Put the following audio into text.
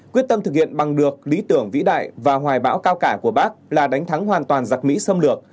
quyết tâm thực hiện bằng được lý tưởng vĩ đại và hoài bão cao cả của bác là đánh thắng hoàn toàn giặc mỹ xâm lược